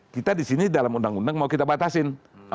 kita disini dalam undang undang mau kita batasin